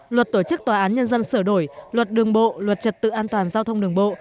luật tổ chức tòa án nhân dân sửa đổi luật đường bộ luật trật tự an toàn giao thông đường bộ